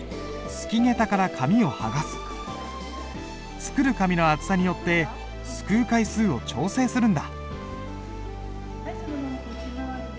作る紙の厚さによってすくう回数を調整するんだ。